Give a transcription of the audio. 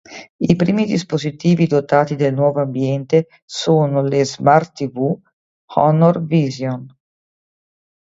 I primi dispositivi dotati del nuovo ambiente sono le smart tv Honor Vision.